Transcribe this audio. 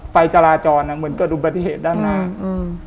ไฟจราจรอ่ะเหมือนเกิดอุบัติเหตุด้านล่างอืม